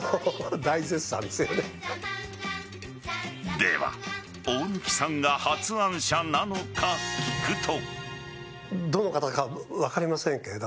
では大貫さんが発案者なのか聞くと。